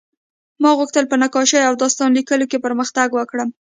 ما غوښتل په نقاشۍ او داستان لیکلو کې پرمختګ وکړم